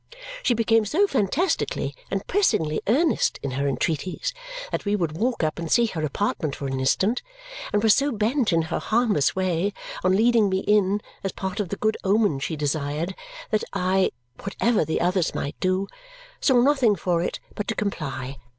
She became so fantastically and pressingly earnest in her entreaties that we would walk up and see her apartment for an instant, and was so bent, in her harmless way, on leading me in, as part of the good omen she desired, that I (whatever the others might do) saw nothing for it but to comply.